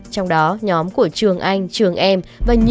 trong đó nhóm của trường anh trường em và nhiều đàn em hẹn gặp nhau